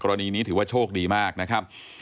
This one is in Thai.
รณีนี้ถือว่าโชคดีมากนะครับ